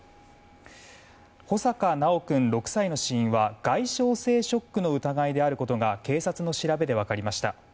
穂坂修君、６歳の死因は外傷性ショックの疑いであることが警察の調べで分かりました。